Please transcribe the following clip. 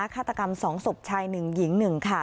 ฆาตกรรม๒ศพชาย๑หญิง๑ค่ะ